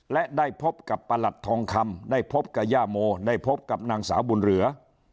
และได้พบกับประหลัดทองคำได้พบกับย่าโมได้พบกับนางสาวบุญเหลือ